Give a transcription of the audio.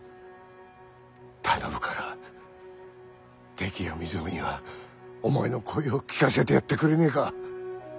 頼むからテキや瑞穂にはお前の声を聞かせてやってくれねえか。